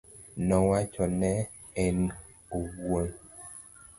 Nowacho ne en owuon.